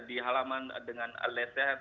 di halaman dengan lesen